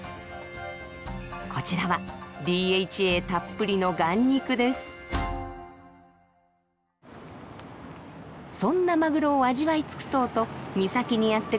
こちらはＤＨＡたっぷりのそんなマグロを味わい尽くそうと三崎にやって来るお客さんたち。